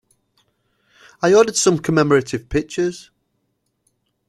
I ordered some commemorative pictures.